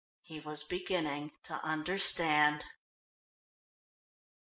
He was beginning to understand.